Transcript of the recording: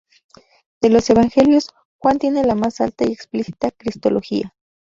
De los Evangelios, Juan tiene la más alta y explícita cristología.